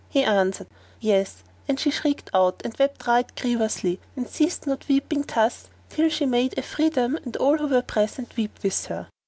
He answered, "Yes;" and she shrieked out and wept right grievously and ceased not weeping thus till she made Afridun and all who were present weep with her.